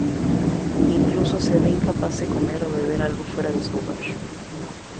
Incluso se ve incapaz de comer o beber algo fuera de su hogar.